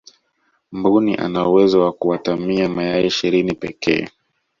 mbuni ana uwezo wa kuatamia mayai ishirini pekee